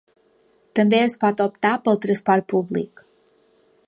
També es pot optar pel transport públic.